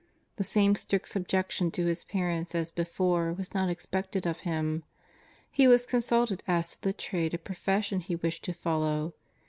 The same strict subjection to his parents as before was not expected of him. He was consulted as to the trade or profession he wished to follow.